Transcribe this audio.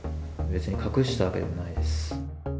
別に隠したわけではないです。